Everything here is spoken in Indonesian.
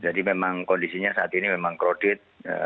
jadi memang kondisinya saat ini memang krodit